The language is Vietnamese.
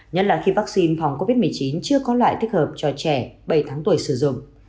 nhất là khi vaccine phòng covid một mươi chín chưa có loại thích hợp cho trẻ bảy tháng tuổi sử dụng